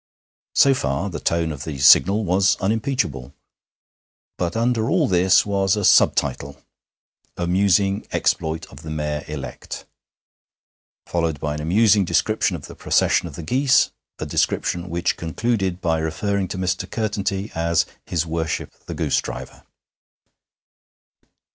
So far the tone of the Signal was unimpeachable. But underneath all this was a sub title, 'Amusing Exploit of the Mayor elect,' followed by an amusing description of the procession of the geese, a description which concluded by referring to Mr. Curtenty as His Worship the Goosedriver.